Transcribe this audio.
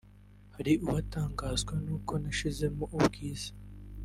Hari uwatangazwa n’uko ntashyizemo ubwiza